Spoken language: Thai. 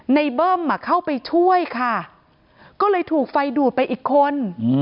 เบิ้มเข้าไปช่วยค่ะก็เลยถูกไฟดูดไปอีกคน